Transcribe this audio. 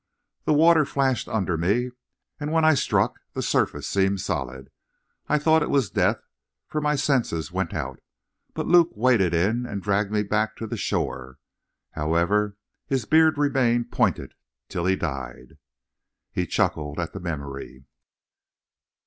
The water flashed under me, and when I struck the surface seemed solid. I thought it was death, for my senses went out, but Luke waded in and dragged me back to the shore. However, his beard remained pointed till he died." He chuckled at the memory.